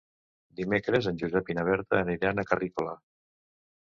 Dimecres en Josep i na Berta aniran a Carrícola.